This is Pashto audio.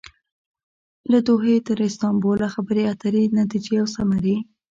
له دوحې تر استانبوله خبرې اترې ،نتیجې او ثمرې